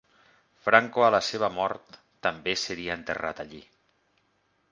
Franco a la seva mort també seria enterrat allí.